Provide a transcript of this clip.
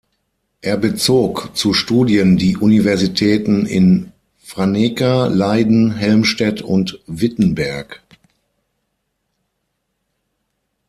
Er bezog zu Studien die Universitäten in Franeker, Leiden, Helmstedt und Wittenberg.